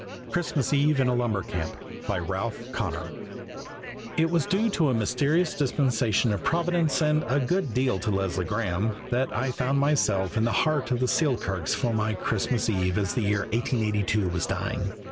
Christmas Eve in a Lumber Camp By Ralph Connor IT was due to a mysterious dispensation of Providence and a good deal to Leslie Graeme that I found myself in the heart of the Selkirks for my Christmas eve as the year 1882 was dying.